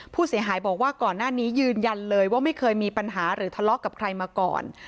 ผู้เสียหายบอกว่าก่อนหน้านี้ยืนยันเลยว่าไม่เคยมีปัญหาหรือทะเลาะกับใครมาก่อน